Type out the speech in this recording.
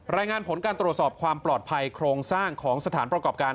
รายงานผลการตรวจสอบความปลอดภัยโครงสร้างของสถานประกอบการ